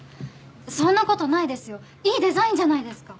そんなことないですよいいデザインじゃないですか。